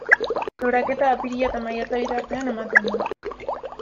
Loraketa apirila eta maiatza bitartean ematen da.